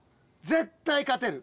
絶対勝てる。